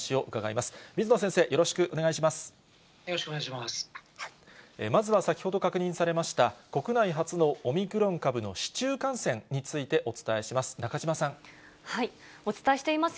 まずは先ほど確認されました、国内初のオミクロン株の市中感染についてお伝えします。